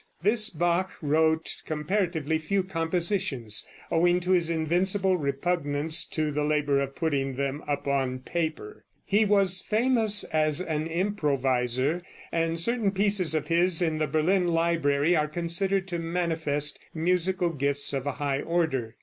This Bach wrote comparatively few compositions, owing to his invincible repugnance to the labor of putting them upon paper; he was famous as an improviser, and certain pieces of his in the Berlin library are considered to manifest musical gifts of a high order.